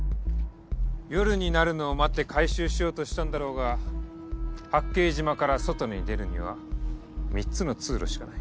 夜になるのを待って回収しようとしたんだろうが八景島から外に出るには３つの通路しかない。